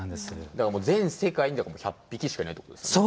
だから全世界に１００匹しかいないってことですよね。